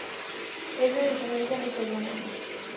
Es de descendencia nigeriana.